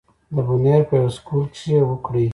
د بونېر پۀ يو سکول کښې وکړې